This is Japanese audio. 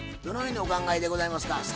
どのようにお考えでございますか？